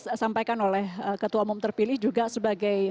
itu disampaikan oleh ketua umum terpilih juga sebagai tempat